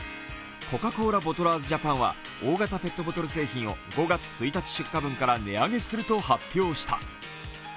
コカ・コーラボトラーズジャパンは大型ペットボトル製品を５月１日出荷分から値上げすると発表した。